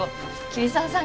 桐沢さん